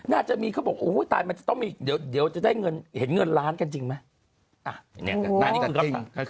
น่าจะมีเขาบอกโอ้ยตายมันจะต้องมีเดี๋ยวจะได้เงินเห็นเงินล้านกันจริงไหม